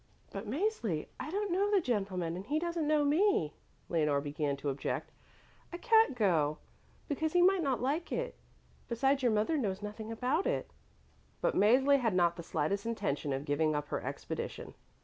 "But, Mäzli, I don't know the gentleman and he doesn't know me," Leonore began to object. "I can't go, because he might not like it. Besides your mother knows nothing about it." But Mäzli had not the slightest intention of giving up her expedition.